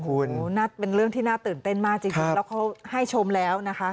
คุณเป็นเรื่องที่น่าตื่นเต้นมากจริงแล้วเขาให้ชมแล้วนะคะ